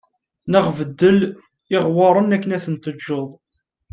Neɣ beddel iɣewwaṛen akken ad ten-teǧǧeḍ